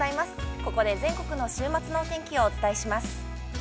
ここで全国の週末のお天気をお伝えします。